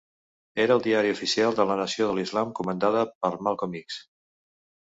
Era el diari oficial de la Nació de l'Islam comandada per Malcolm X.